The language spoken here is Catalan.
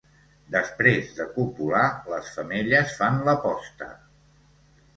Després de copular, les femelles fan la posta.